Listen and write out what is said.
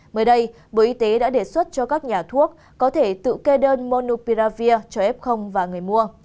mới đây bộ y tế đã đề xuất cho các nhà thuốc có thể tự kê đơn monupiravir cho f và người mua